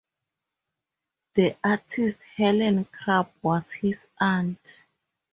The artist Helen Crabb was his aunt.